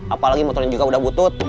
apalagi motornya juga udah butuh